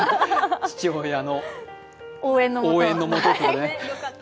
父親の応援のもとですね。